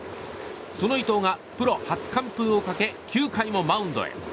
その伊藤がプロ初完封をかけ９回もマウンドへ。